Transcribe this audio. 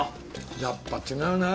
やっぱ違うな。